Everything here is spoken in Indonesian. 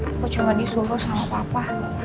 aku cuma disuruh sama papa